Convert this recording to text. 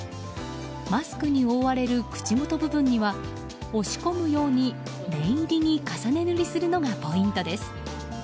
マスクに覆われる口元部分には押し込むように念入りに重ね塗りするのがポイントです。